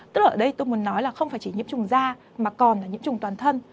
tức là ở đây tôi muốn nói là không phải chỉ nhiễm trùng da mà còn là nhiễm trùng toàn thân